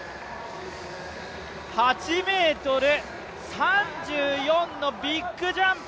８ｍ３４のビッグジャンプ。